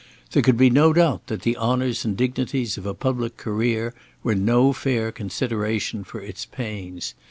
There could be no doubt that the honours and dignities of a public career were no fair consideration for its pains.